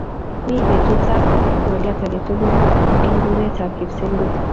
Mi peetuutap ng'olyoot age tugul eng' kururetap kipsengwet.